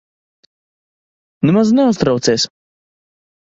Nemaz neuztraucies.